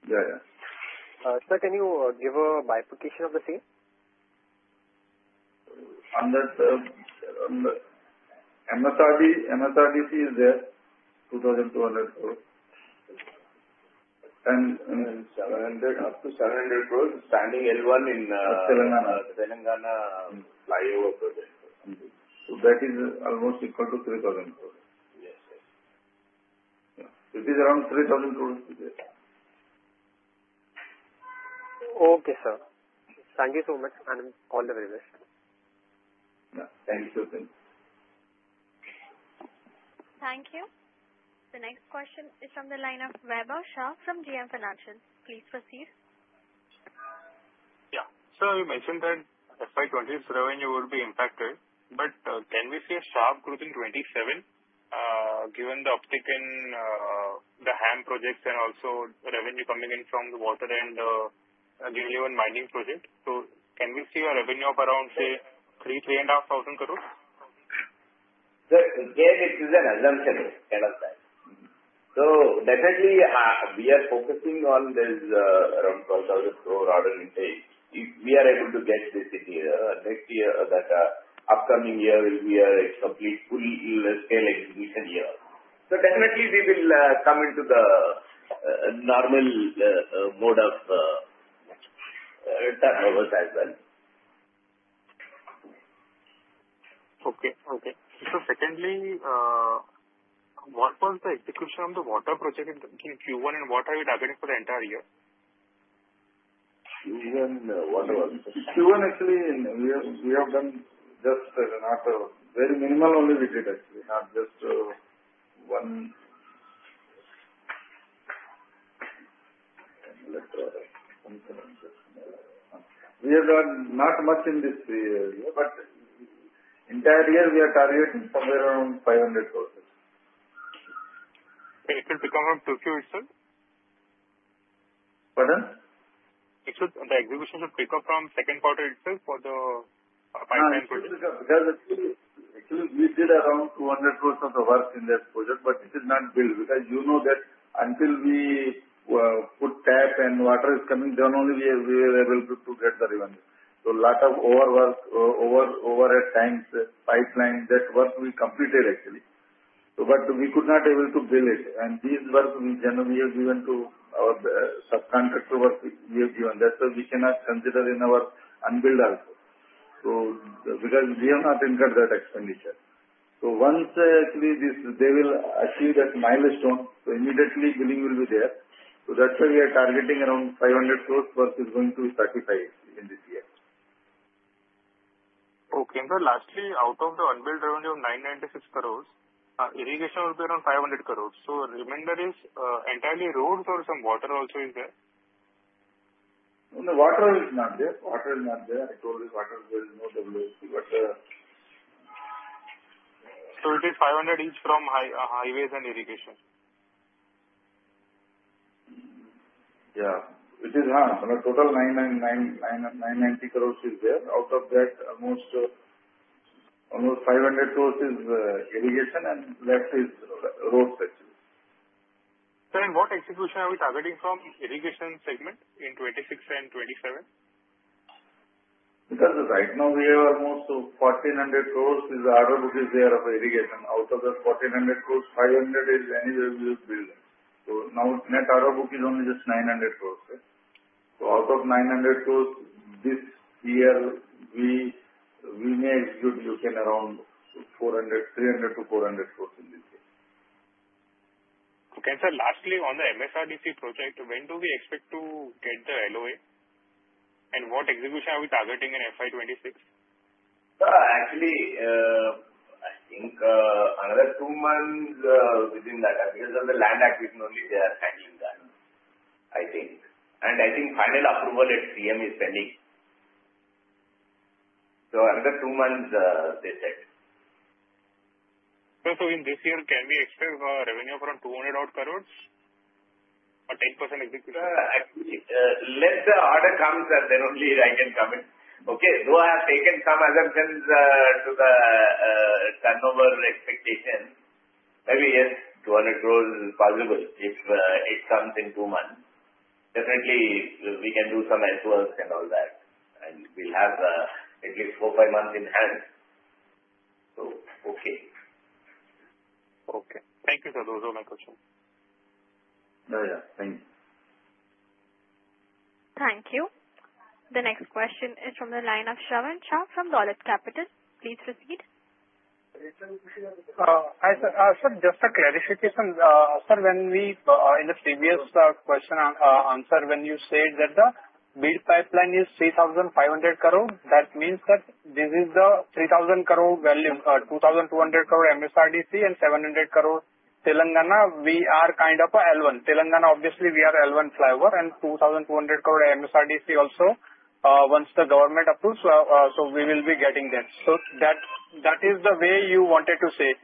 Yeah, yeah. Sir, can you give a bifurcation of the same? Under MSRDC, MSRDC is there, 2,200 crores, and up to 700 crores is standing L1 in Telangana flyover project, so that is almost equal to 3,000 crores. Yes, yes. It is around 3,000 crores today. Okay, sir. Thank you so much, and all the very best. Yeah. Thank you. Thank you. The next question is from the line of Vaibhav Shah from JM Financial. Please proceed. Yeah. Sir, you mentioned that FY 2026 revenue would be impacted. But can we see a sharp growth in 27 given the uptick in the HAM projects and also revenue coming in from the water and newly opened mining projects? So can we see a revenue of around, say, 3,000-3,500 crores? Sir, again, it is an assumption ahead of time. So definitely, we are focusing on this around 1,000 crores order intake. If we are able to get this in next year, that upcoming year will be a complete full-scale execution year. So definitely, we will come into the normal mode of turnovers as well. Secondly, what was the execution of the water project in Q1, and what are you targeting for the entire year? Q1 water project. Q1, actually, we have done just a very minimal only we did, actually, not just one. We have done not much in this year. But entire year, we are targeting somewhere around 500 crores. It will pick up from Q2 itself? Pardon? The execution should pick up from second quarter itself for the pipeline project? It should pick up because, actually, we did around 200 crores of the work in that project, but it is not built because you know that until we put tap and water is coming, then only we are able to get the revenue, so a lot of overwork, overhead times, pipeline, that work we completed, actually, but we could not be able to build it, and this work, we have given to our subcontractor work we have given. That's why we cannot consider in our unbilled also, so because we have not incurred that expenditure, so once, actually, they will achieve that milestone, so immediately billing will be there, so that's why we are targeting around 500 crores worth is going to be certified in this year. Okay. And sir, lastly, out of the unbilled revenue of 996 crores, irrigation would be around 500 crores. So remainder is entirely roads or some water also is there? No, the water is not there. Water is not there. I told you water is there, no WSP. But. So it is 500 each from highways and irrigation? Yeah. It is. Total 990 crores is there. Out of that, almost 500 crores is irrigation, and that is roads, actually. Sir, and what execution are we targeting from irrigation segment in 2026 and 2027? Because right now, we have almost 1,400 crores is the order book is there of irrigation. Out of that 1,400 crores, 500 is anyway we have built. So now, net order book is only just 900 crores. So out of 900 crores, this year, we may execute, you can, around INR 300-400 crores in this year. Okay. And sir, lastly, on the MSRDC project, when do we expect to get the LOA? And what execution are we targeting in FY 2026? Actually, I think another two months within that because of the land acquisition only they are handling that, I think. And I think final approval at CM is pending. So another two months, they said. Sir, so in this year, can we expect revenue from 200 crores or 10% execution? Actually, let the order come, sir, then only I can comment. Okay. Though I have taken some assumptions to the turnover expectation, maybe yes, 200 crores is possible if it comes in two months. Definitely, we can do some earthworks and all that. And we'll have at least four, five months in hand. So okay. Okay. Thank you, sir. Those are my questions. Yeah. Yeah. Thank you. Thank you. The next question is from the line of Shravan Shah from Dolat Capital. Please proceed. Hi, sir. Sir, just a clarification. Sir, when we in the previous question answer, when you said that the bid pipeline is 3,500 crore, that means that this is the 3,000 crore value, 2,200 crore MSRDC, and 700 crore Telangana. We are kind of a L1. Telangana, obviously, we are L1 flyover. And 2,200 crore MSRDC also, once the government approves, so we will be getting that. So that is the way you wanted to say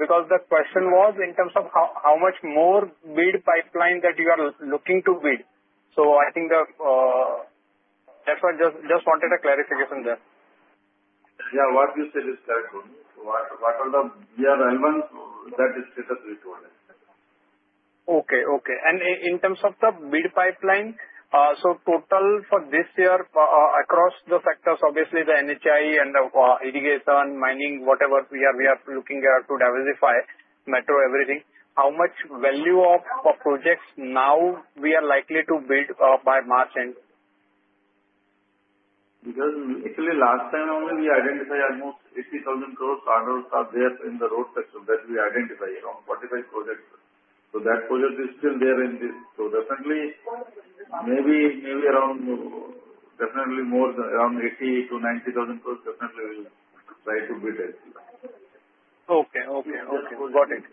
because the question was in terms of how much more bid pipeline that you are looking to bid. So I think that's why I just wanted a clarification there. Yeah. What you said is correct, Tony. We are L1, that is the status we told you. Okay. In terms of the bid pipeline, so total for this year across the sectors, obviously, the NHAI and the irrigation, mining, whatever we are looking to diversify, metro, everything, how much value of projects now we are likely to bid by March end? Because actually, last time only we identified almost 80,000 crores orders are there in the road sector that we identified, around 45 projects. So that project is still there in this. So definitely, maybe around definitely more than around 80,000-90,000 crores definitely we will try to bid at. Okay. Okay. Okay. Got it.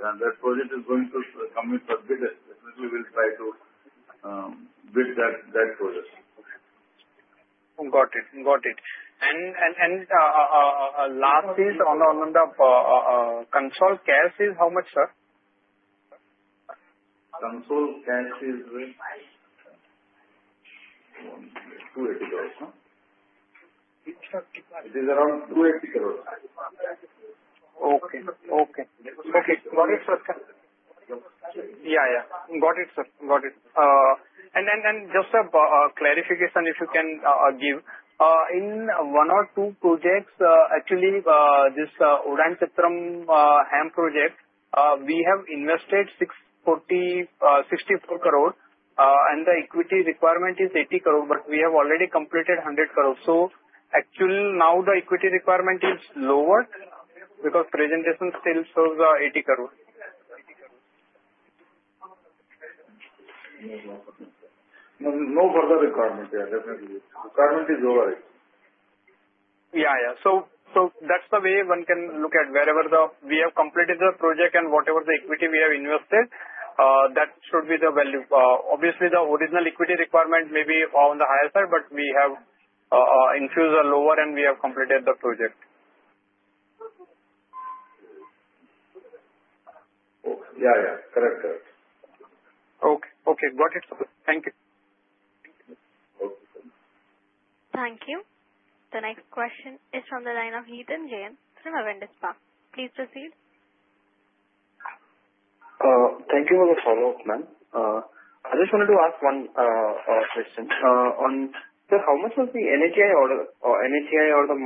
That project is going to come up for bid. Definitely, we will try to bid that project. Got it. Got it. And lastly, on the consolidated cash is how much, sir? Consolidated cash is INR 280 crores. It is around INR 280 crores. Okay. Got it, sir. Yeah. Got it, sir. Got it. And just a clarification, if you can give. In one or two projects, actually, this Oddanchatram HAM project, we have invested 64 crore. And the equity requirement is 80 crore. But we have already completed 100 crores. So actually, now the equity requirement is lower because presentation still shows 80 crore. No further requirement. Yeah. Definitely. Requirement is lower. Yeah. Yeah. So that's the way one can look at wherever we have completed the project and whatever equity we have invested, that should be the value. Obviously, the original equity requirement may be on the higher side, but we have infused a lower and we have completed the project. Yeah. Yeah. Correct. Correct. Okay. Okay. Got it. Thank you. Okay. Thank you. The next question is from the line of Ketan Jain from Avendus Spark. Please proceed. Thank you for the follow-up, ma'am. I just wanted to ask one question. Sir, how much was the NHAI order or NHAI or the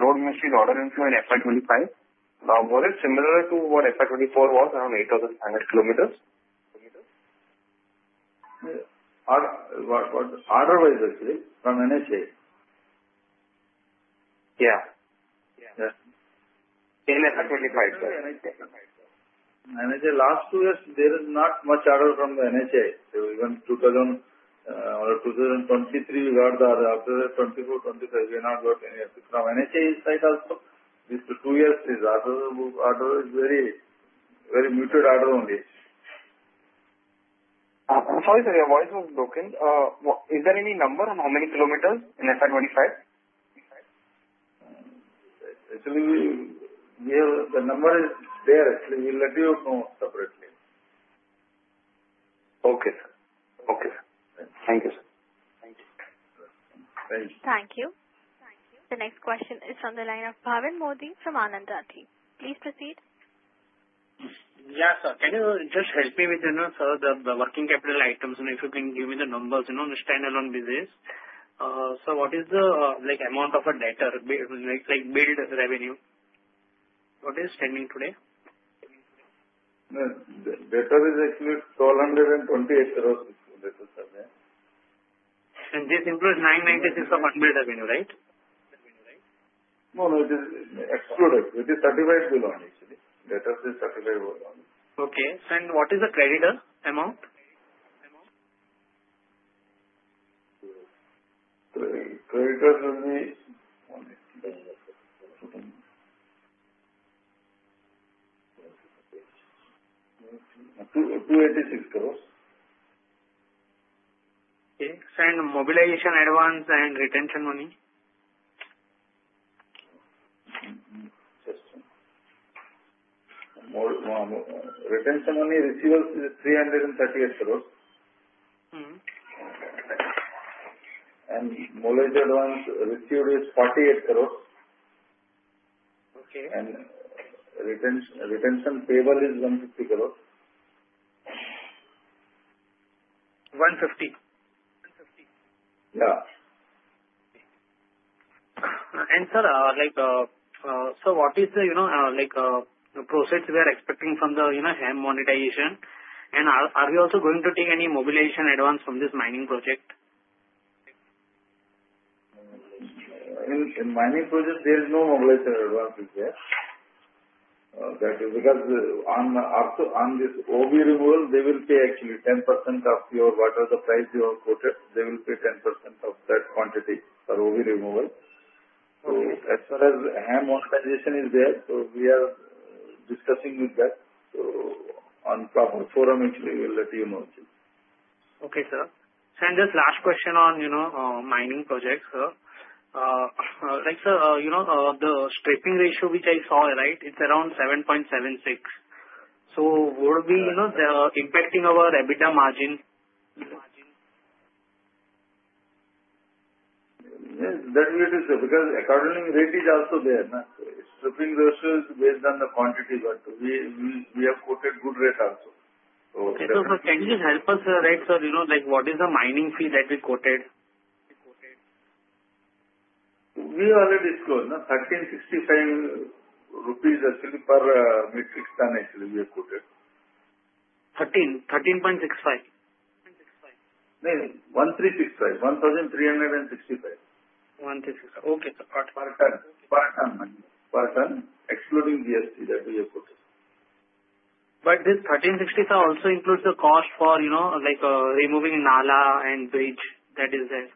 Road Ministry's order inflow in FY 2025? Was it similar to what FY 2024 was, around 8,500 crores? What order was actually from NHAI? Yeah. Yeah. In FY 2025. NHAI last two years, there is not much order from the NHAI. Even 2023, we got the order. After 2024, 2025, we have not got anything. From NHAI's side also, these two years is order is very muted order only. I'm sorry, sir. Your voice was broken. Is there any number on how many kilometers in FY 2025? Actually, the number is there. Actually, we'll let you know separately. Okay, sir. Okay. Thank you, sir. Thank you. Thank you. The next question is from the line of Bhavin Modi from Anand Rathi. Please proceed. Yeah, sir. Can you just help me with, sir, the working capital items? And if you can give me the numbers, you know the standalone business. So what is the amount of debtors, like billed revenue? What is outstanding today? Debt is actually INR 1,228 crores. Does this include 996 crores of unbilled revenue, right? No, no. It is excluded. It is certified billing, actually. Debtor is certified billing. Okay. And what is the creditor amount? Creditor will be INR 286 crores. Okay. And mobilization advance and retention money? Just retention money received is 338 crores. And mobilization advance received is 48 crores. And retention payable is 150 crores. 150? Yeah. And sir, so what is the process we are expecting from the HAM monetization? And are we also going to take any mobilization advance from this mining project? In mining project, there is no mobilization advance, is there. That is because on this OB removal, they will pay actually 10% of your whatever the price you have quoted, they will pay 10% of that quantity for OB removal. So as far as HAM monetization is there, so we are discussing with that. So on proper forum, actually, we'll let you know. Okay, sir. And just last question on mining projects, sir. Like, sir, the stripping ratio which I saw, right, it's around 7.76. So would it be impacting our EBITDA margin? That's good to say because accordingly, rate is also there. Stripping ratio is based on the quantity. We have quoted good rate also. Sir, can you just help us, right, sir, what is the mining fee that we quoted? We already scored 1,365 rupees actually per metric ton, actually, we have quoted. 13.65? No, 1,365. INR 1,365. 1,365. Okay, sir. Got it. Per ton. Per ton. Excluding GST that we have quoted. But this 1,365 also includes the cost for removing Nala and bridge that is there?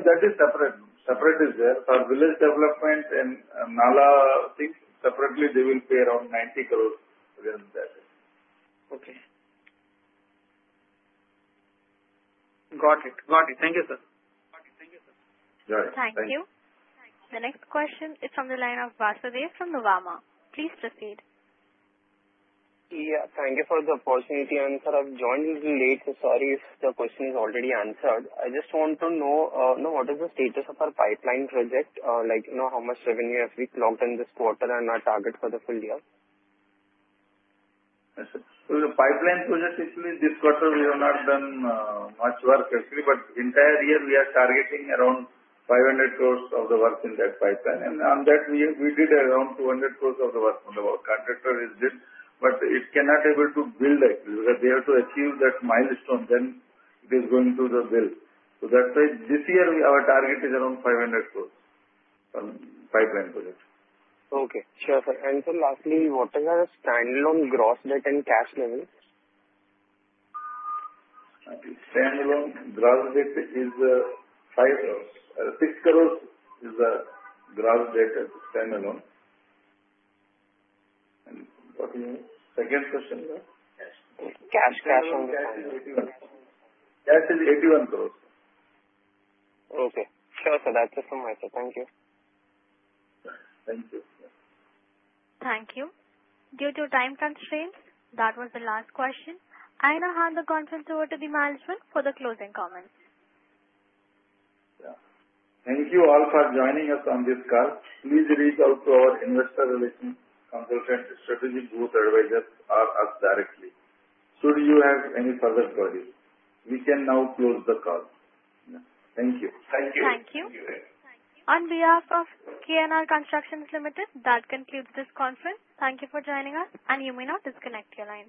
That is separate. Separate is there. For village development and Nala thing, separately, they will pay around 90 crores against that. Okay. Got it. Got it. Thank you, sir. Thank you, sir. Yeah. Thank you. The next question is from the line of Vasudev from Nuvama. Please proceed. Yeah. Thank you for the opportunity, sir. I've joined a little late. Sorry if the question is already answered. I just want to know what is the status of our pipeline project, how much revenue have we clocked in this quarter, and our target for the full year? The pipeline project, actually, this quarter, we have not done much work, actually. But entire year, we are targeting around 500 crores of the work in that pipeline. And on that, we did around 200 crores of the work. Our contractor is there. But it cannot be able to build, actually, because they have to achieve that milestone. Then it is going to the build. So that's why this year, our target is around 500 crores on pipeline project. Okay. Sure, sir. And sir, lastly, what is our standalone gross debt and cash level? Standalone gross debt is INR 6 crores. And what is your second question? Cash, cash only. Cash is 81 crores. Okay. Sure, sir. That's it from my side. Thank you. Thank you. Thank you. Due to time constraints, that was the last question. I now hand the conference over to the management for the closing comments. Yeah. Thank you all for joining us on this call. Please reach out to our investor relations, consultants, Strategic Growth Advisors, or us directly. Should you have any further queries, we can now close the call. Thank you. Thank you. Thank you. Thank you. Thank you. On behalf of KNR Constructions Limited, that concludes this conference. Thank you for joining us, and you may now disconnect your line.